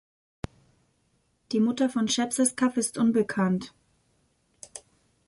Die Mutter von Schepseskaf ist unbekannt.